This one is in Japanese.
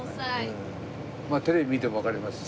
テレビ見てもわかりますし。